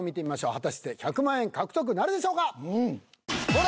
果たして１００万円獲得なるでしょうか。